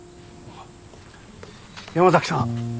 山崎さん！